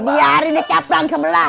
biarin dia cap lang sebelah